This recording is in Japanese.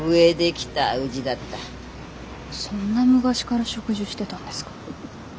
そんな昔から植樹してたんですか？